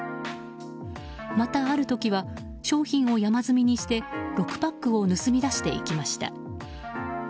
またある時は商品を山積みにして６パックを盗み出していきました。